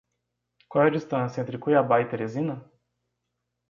Qual é a distância entre Cuiabá e Teresina?